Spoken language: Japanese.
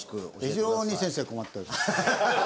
非常に先生困っております。